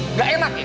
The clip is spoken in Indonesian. nggak enak ya